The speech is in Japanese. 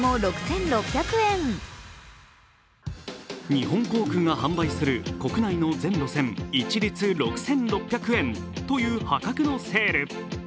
日本航空が販売する、国内の全路線一律６６００円という破格のセール。